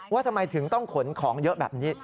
ว่าทำไมถึงต้องขนของเยอะแบบนี้